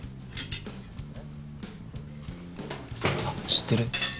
あっ知ってる？